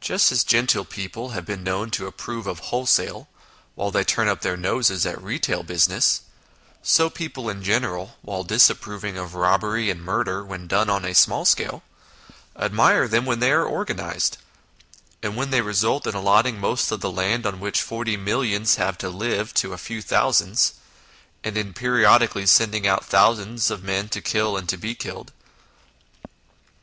Just as " genteel " people have been known to approve of wholesale while they turned up their noses at retail business, so people in general, while disapproving of robbery and murder when done on a small scale, admire them when they are organised, and when they result in allotting most of the land on which forty millions have to live to a few thousands, and in periodically sending out thousands of men to kill and to be killed.